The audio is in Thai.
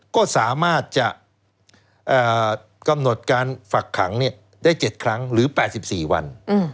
ก็สามารถจะกำหนดการฝักขังได้๗ครั้งหรือ๘๔วัน